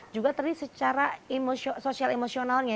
juga tadi secara sosial emosionalnya